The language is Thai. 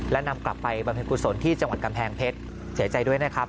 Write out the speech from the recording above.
และนำกลับไปบำเพ็ญกุศลที่จังหวัดกำแพงเพชรเสียใจด้วยนะครับ